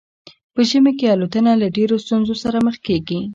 په ژمي کې الوتنه له ډیرو ستونزو سره مخ کیږي